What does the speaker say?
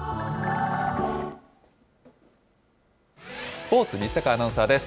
スポーツ、西阪アナウンサーです。